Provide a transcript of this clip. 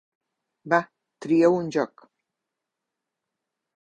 Va, trieu un joc!